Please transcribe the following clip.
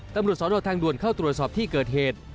ตำรวจสนทางด่วนเข้าตรวจสอบที่เกิดเหตุ